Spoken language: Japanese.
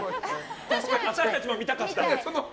私たちも見たかった。